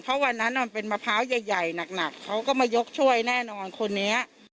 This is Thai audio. เพราะมันเป็นเรื่องในบ้านเขาเราก็ไม่รู้อะไรเป็นอะไร